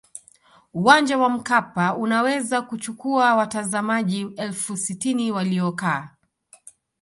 uwanja wa mkapa unaweza kuchukua watazamaji elfu sitini waliokaa